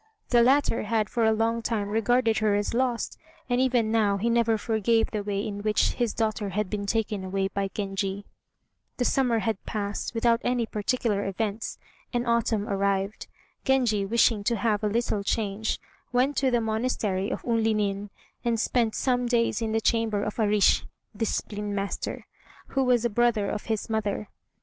The latter had for a long time regarded her as lost, and even now he never forgave the way in which his daughter had been taken away by Genji. The summer had passed without any particular events, and autumn arrived. Genji, wishing to have a little change, went to the monastery of Unlinin, and spent some days in the chamber of a rissh (discipline master), who was a brother of his mother.